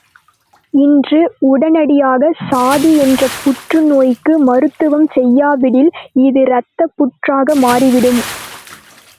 இன்று உடனடியாகச் சாதி என்ற புற்றுநோய்க்கு மருத்துவம் செய்யாவிடில் இது இரத்தப் புற்றாக மாறிவிடும்!